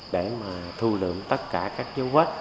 để mà thu lượng tất cả các dấu vết